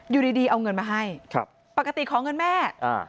อยู่ดีเอาเงินมาให้ปกติขอเงินแม่